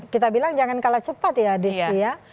kita bilang jangan kalah cepat ya desy ya